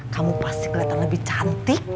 kamu pasti kelihatan lebih cantik